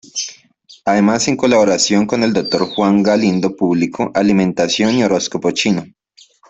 Además en colaboración con el doctor Juan Galindo publicó "Alimentación y horóscopo chino".